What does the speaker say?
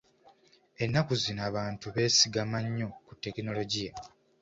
Ennaku zino abantu beesigama nnyo ku tekinologiya.